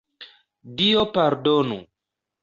Dio pardonu!